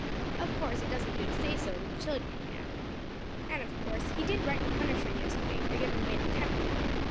Of course, it doesn't do to say so to the children, you know. And of course he did right to punish her yesterday for giving way to temper.